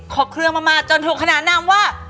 ส่งเเรือมาจนถูกขนานนำว่า